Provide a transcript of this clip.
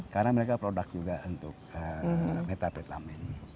karena mereka produk juga untuk metapetamin